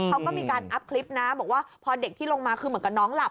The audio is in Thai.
เขาก็มีการอัพคลิปนะบอกว่าพอเด็กที่ลงมาคือเหมือนกับน้องหลับ